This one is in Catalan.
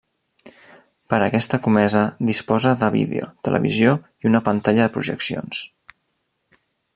Per a aquesta comesa disposa de vídeo, televisió i una pantalla de projeccions.